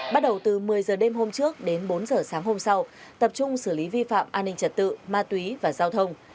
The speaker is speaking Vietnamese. bắt đầu từ một mươi h đêm hôm trước đến bốn h sáng hôm sau tập trung xử lý vi phạm an ninh trật tự ma túy và giao thông